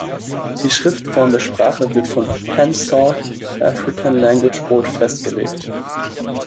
Die Schriftform der Sprache wird vom "Pan South African Language Board" festgelegt.